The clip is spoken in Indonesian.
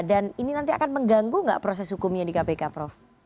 dan ini nanti akan mengganggu nggak proses hukumnya di kpk prof